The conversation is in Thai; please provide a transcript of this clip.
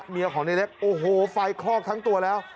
เมียของในเล็กโอ้โหไฟคลอกทั้งตัวแล้ว